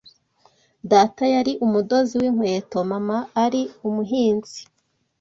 Data yari umudozi w’inkweto, mama ari umuhinzi